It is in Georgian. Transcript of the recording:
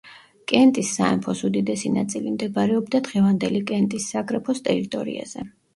კენტის სამეფოს უდიდესი ნაწილი მდებარეობდა დღევანდელი კენტის საგრაფოს ტერიტორიაზე.